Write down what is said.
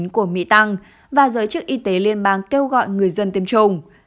của mỹ tăng và giới chức y tế liên bang kêu gọi người dân tiêm chủng